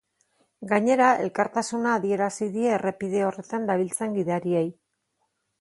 Gainera, elkartasuna adierazi die errepide horretan dabiltzan gidariei.